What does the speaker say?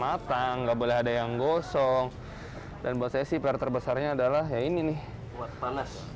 matang nggak boleh ada yang gosong dan buat saya sih pr terbesarnya adalah ya ini nih buat panas